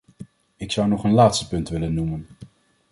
Ik zou nog een laatste punt willen noemen.